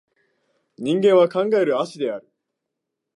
人間は考える葦である